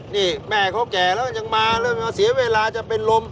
นี่แม่เขาแก่แล้วยังมาแล้วยังเสียเวลาจะเป็นลม